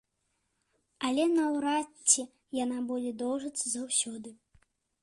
Але наўрад ці яна будзе доўжыцца заўсёды.